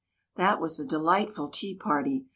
That was a delightful tea party.